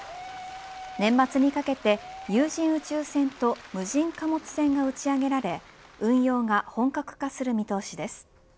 年末にかけて、有人宇宙船と無人貨物船が打ち上げられ運用が本格化する見通しです。